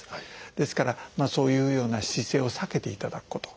ですからそういうような姿勢を避けていただくこと。